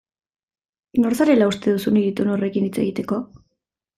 Nor zarela uste duzu niri tonu horrekin hitz egiteko?